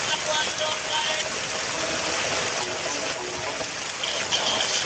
Traducción y notas Pedro Castro Sánchez.